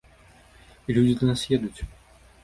І людзі да нас едуць!